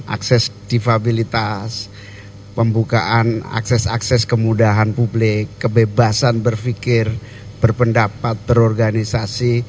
akses difabilitas pembukaan akses akses kemudahan publik kebebasan berpikir berpendapat berorganisasi